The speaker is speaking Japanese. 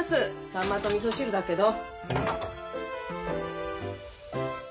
サンマとみそ汁だけど。